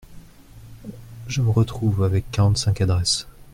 Je me retrouve avec quarante-cinq adresses.